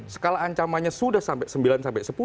skala ancamannya sudah sampai sembilan sampai sepuluh